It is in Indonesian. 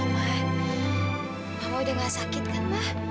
mama udah gak sakit kan mah